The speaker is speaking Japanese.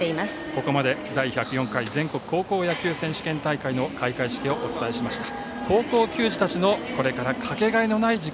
ここまで第１０４回全国高校野球選手権大会の開会式をお伝えしました。